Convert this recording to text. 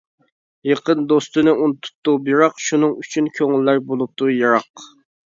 يېقىن دوستىنى ئۇنتۇپتۇ بىراق، شۇنىڭ ئۈچۈن كۆڭۈللەر بولۇپتۇ يىراق.